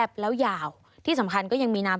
สวัสดีค่ะสวัสดีค่ะ